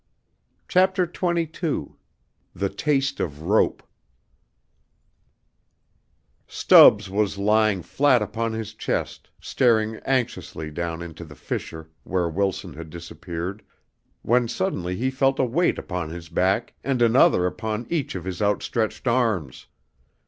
CHAPTER XXII The Taste of Rope Stubbs was lying flat upon his chest staring anxiously down into the fissure where Wilson had disappeared when suddenly he felt a weight upon his back and another upon each of his outstretched arms.